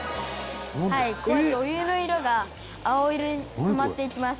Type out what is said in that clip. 「こういうお湯の色が青色に染まっていきます」